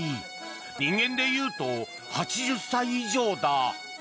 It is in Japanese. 人間でいうと８０歳以上だ。